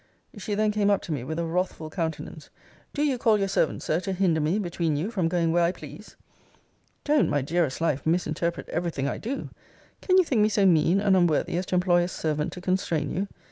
She then came up to me with a wrathful countenance: do you call your servant, Sir, to hinder me, between you, from going where I please? Don't, my dearest life, misinterpret every thing I do. Can you think me so mean and unworthy as to employ a servant to constrain you?